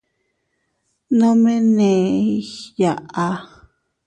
Nome neʼe igyaa.